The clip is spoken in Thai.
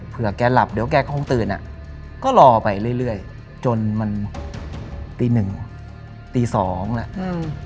เผื่อแกหลับเดี๋ยวแกคงตื่นก็รอไปเรื่อยจนมันตีหนึ่งตีสองแล้ว